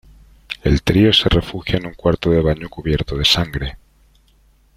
El trío se refugia en un cuarto de baño cubierto de sangre.